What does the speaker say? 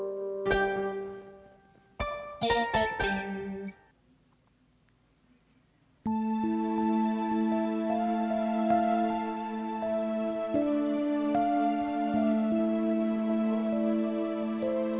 nggak terpikir apa apa